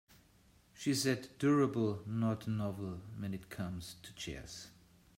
She said durable not novel when it comes to chairs.